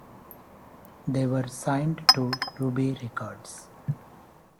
They were signed to Ruby Records.